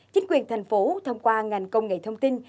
chính quyền thành phố thông qua ngành công nghệ thông tin